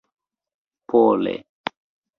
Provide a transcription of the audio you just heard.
pole